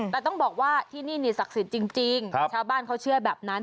แต่ต้องบอกว่าที่นี่สักศิลป์จริงชาวบ้านเขาเชื่อแบบนั้น